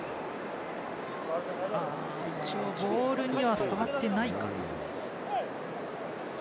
ボールには触ってないかな。